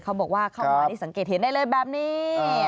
เขาบอกว่าเข้ามานี่สังเกตเห็นได้เลยแบบนี้